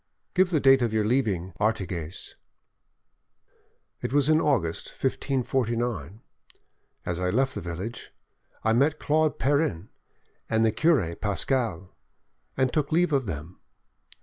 "Give the date of your leaving Artigues." "It was in August 1549. As I left the village, I met Claude Perrin and the cure Pascal, and took leave of them.